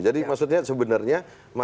jadi maksudnya sebenarnya